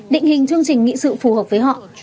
định hình chương trình nghị sự phù hợp với họ